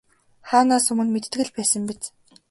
Хаанаас өмнө мэддэг л байсан биз.